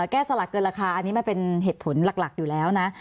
สลักเกินราคาอันนี้มันเป็นเหตุผลหลักอยู่แล้วนะ